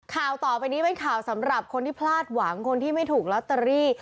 ข่าวต่อไปนี้เป็นข่าวสำหรับคนที่พลาดหวังคนที่ไม่ถูกลอตเตอรี่